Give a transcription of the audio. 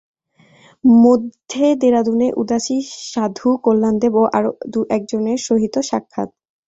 মধ্যে দেরাদুনে উদাসী সাধু কল্যাণদেব ও আরও দু এক জনের সহিত সাক্ষাৎ।